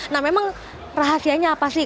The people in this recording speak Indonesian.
nah memang rahasianya apa sih